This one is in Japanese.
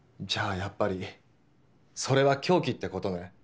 やっぱりそれは凶器ってことね？